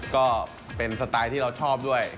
ก็เป็นสไตล์ที่เราชอบด้วย